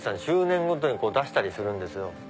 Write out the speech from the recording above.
１０年ごとに出したりするんですよ。